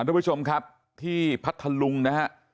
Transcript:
ทุกผู้ชมครับที่พัทธลุงนะฮะ